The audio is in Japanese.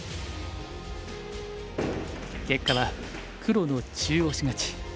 結果は黒の中押し勝ち。